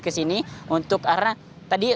kesini untuk karena tadi